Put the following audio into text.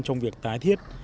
trong việc tái thiết